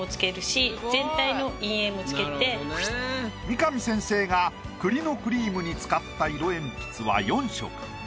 三上先生が栗のクリームに使った色鉛筆は４色。